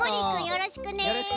よろしくね。